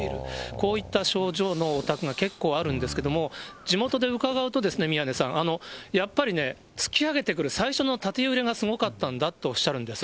こういった症状のお宅が結構あるんですけれども、地元で伺うと、宮根さん、やっぱり、突き上げてくる、最初の縦揺れがすごかったんだとおっしゃるんです。